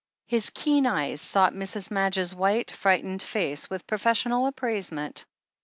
His keen eyes sought Mrs. Madge's white, fright ened face with professional appraisement.